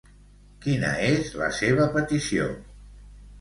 Quina és la seva petició?